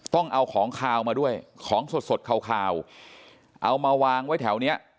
ต้องเอาของขาวมาด้วยของสดสดขาวเอามาวางไว้แถวเนี้ย